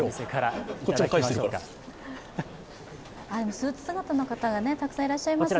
スーツ姿の方がたくさんいらっしゃいますね。